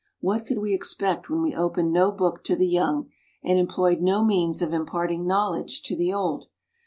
What could we expect when we opened no book to the young, and employed no means of imparting knowledge to the old?